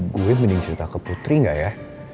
gue mending cerita ke putri gak ya